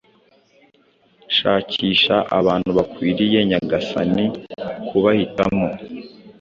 Shakisha abantu bakwiriye-nyagasani kubahitamo